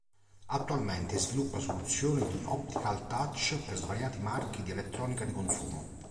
Attualmente sviluppa soluzioni di optical touch per svariati marchi di elettronica di consumo.